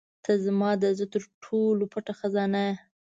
• ته زما د زړه تر ټولو پټه خزانه یې.